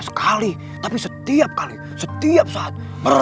sampai jumpa di video selanjutnya